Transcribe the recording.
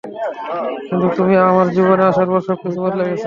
কিন্তু তুমি আমার জীবনে আসার পর সবকিছু বদলে গেছে।